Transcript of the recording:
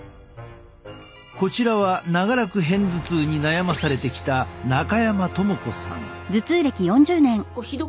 こちらは長らく片頭痛に悩まされてきた中山朋子さん。